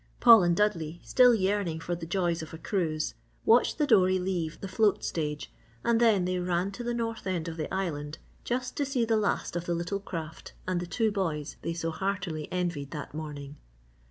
Paul and Dudley, still yearning for the joys of a cruise watched the dory leave the float stage and then they ran to the north end of the island just to see the last of the little craft and the two boys they so heartily envied that morning.